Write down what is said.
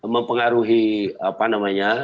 mempengaruhi apa namanya